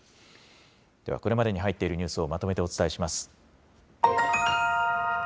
ではこれまでに入っているニュースをまとめてお伝えします。